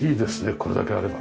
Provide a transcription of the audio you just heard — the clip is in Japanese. これだけあれば。